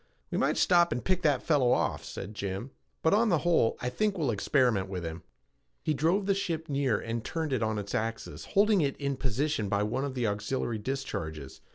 "We might stop and pick that fellow off," said Jim, "but, on the whole, I think we'll experiment with him." He drove the ship nearer and turned it on its axis, holding it in position by one of the auxiliary discharges.